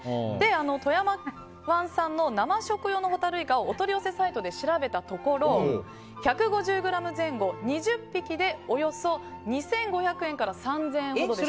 富山湾産の生食用のホタルイカをお取り寄せサイトで調べたところ、１５０ｇ前後２０匹でおよそ２５００円から３０００円でした。